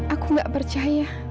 aku gak percaya